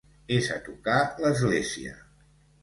És a tocar l'església.